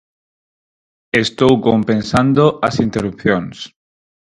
Estou compensando as interrupcións.